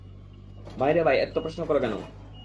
ভাইরে ভাই, এত্ত প্রশ্ন করো ক্যান?